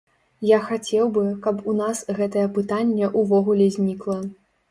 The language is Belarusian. Я хацеў бы, каб у нас гэтае пытанне ўвогуле знікла.